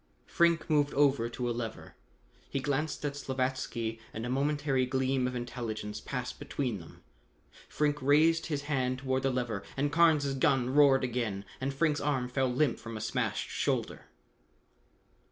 Frink moved over to a lever. He glanced at Slavatsky and a momentary gleam of intelligence passed between them. Frink raised his hand toward the lever and Carnes gun roared again and Frink's arm fell limp from a smashed shoulder.